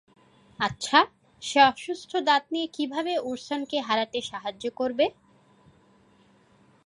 আচ্ছা, সে অসুস্থ দাঁত নিয়ে কীভাবে ওরসনকে হারাতে সাহায্য করবে?